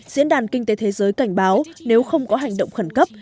diễn đàn kinh tế thế giới cảnh báo nếu không có hành động khẩn cấp